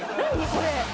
これ。